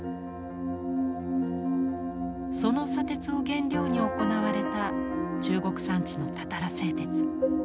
その砂鉄を原料に行われた中国山地のたたら製鉄。